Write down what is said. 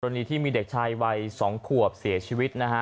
อันนี้ที่มีเด็กชายวัย๒ขวบเสียชีวิตนะฮะ